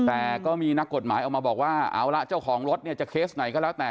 แต่ก็มีนักกฎหมายออกมาบอกว่าเอาละเจ้าของรถเนี่ยจะเคสไหนก็แล้วแต่